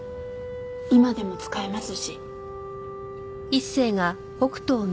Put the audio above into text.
今でも使えますし。